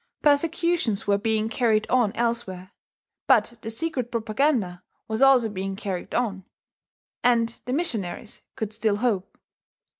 Persecutions were being carried on elsewhere; but the secret propaganda was also being carried on, and the missionaries could still hope.